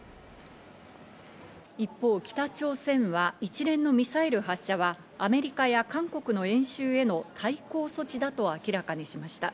一方、北朝鮮は一連のミサイル発射はアメリカや韓国の演習への対抗措置だと明らかにしました。